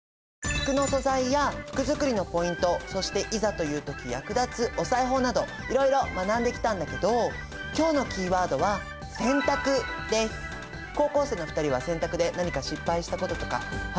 服の素材や服作りのポイントそしていざという時役立つお裁縫などいろいろ学んできたんだけど今日のキーワードは高校生の２人は洗濯で何か失敗したこととかあるかな？